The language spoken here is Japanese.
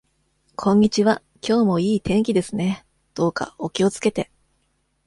こんにちは。今日も良い天気ですね。どうかお気をつけて。